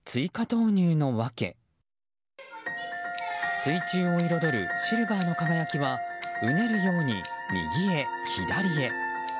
水中を彩るシルバーの輝きはうねるように右へ左へ。